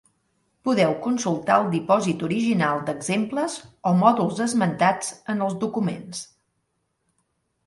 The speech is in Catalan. Podeu consultar el dipòsit original d'exemples o mòduls esmentats en els documents.